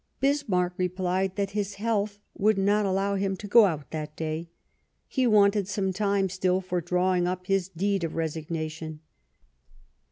Bismarck replied that his health would not allow him to go out that day ; he wanted some time still for drawing up his deed of resignation.